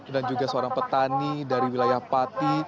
dan juga seorang petani dari wilayah pati